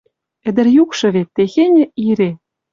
Ӹдӹр юкшы вет техеньӹ ире